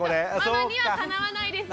ママにはかなわないですよ。